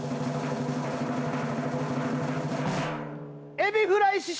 エビフライ師匠！